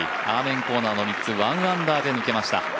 アーメンコーナーの３つ１アンダーで抜けました。